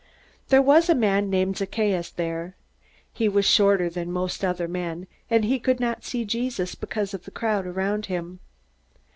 There was a man named Zacchaeus there. He was shorter than most other men, and he could not see Jesus because of the crowd around him.